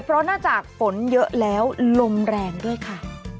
เพราะนอกจากฝนเยอะแล้วลมแรงด้วยค่ะ